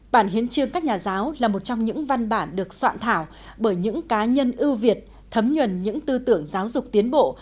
bản hiến chương các nhà giáo là một trong những văn bản được soạn thảo bởi những cá nhân ưu việt thấm nhuần những tư tưởng giáo dục tiến bộ